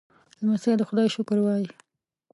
لمسی د خدای شکر وايي.